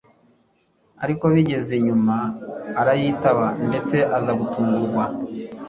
ariko bigeze nyuma arayitaba ndetse aza gutungurwa